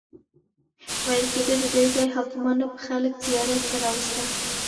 ویل کیږي دده ځایي حاکمانو به خلک زیارت ته راوستل.